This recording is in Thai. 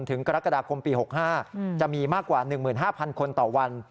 ถึงกรกฎาคมปี๖๕จะมีมากกว่า๑๕๐๐คนต่อวัน